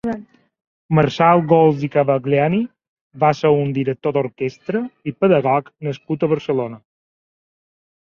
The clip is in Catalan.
Marçal Gols i Cavagliani va ser un director d'orquestra i pedagog nascut a Barcelona.